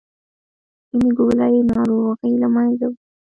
سپینې ګولۍ ناروغي له منځه وړي.